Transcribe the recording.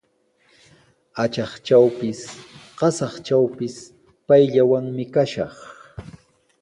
Atraqtrawpis, qasatrawpis payllawanmi kashaq.